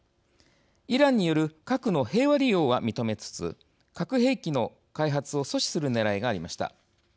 イランによる「核の平和利用」は認めつつ核兵器の開発を阻止するねらいがありました。